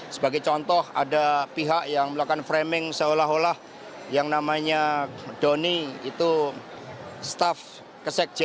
sebagai contoh ada pihak yang melakukan framing seolah olah yang namanya doni itu staff kesekjen